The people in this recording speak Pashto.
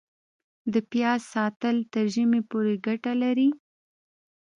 د پیاز ساتل تر ژمي پورې ګټه لري؟